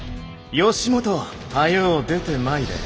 義元早う出てまいれ。